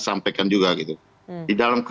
sampaikan juga di dalam